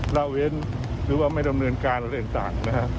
ละเว้นหรือว่าไม่ดำเนินการอะไรต่างนะฮะ